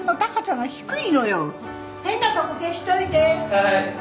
はい。